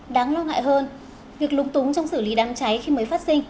đáng lo ngại hơn việc lúng túng trong xử lý đám cháy khi mới phát sinh